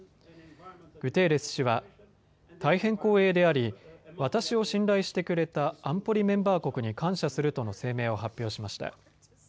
グテーレス氏は大変光栄であり私を信頼してくれた安保理メンバー国に感謝するとの声明を発表しました。